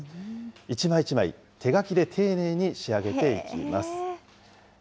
一枚一枚、手書きで丁寧に仕上げていきます。